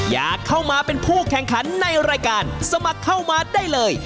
อยากเข้ามาเป็นผู้แข่งขันในรายการสมัครเข้ามาได้เลย